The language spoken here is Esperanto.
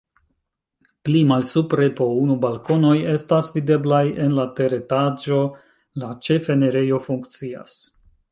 Pli malsupre po unu balkonoj estas videblaj, en la teretaĝo la ĉefenirejo funkcias.